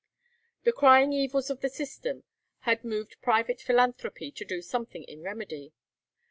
The crying evils of the system had moved private philanthropy to do something in remedy.